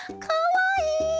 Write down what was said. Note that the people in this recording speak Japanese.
かわいい！